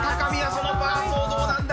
そのパーソーどうなんだ？